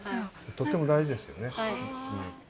とっても大事ですよね。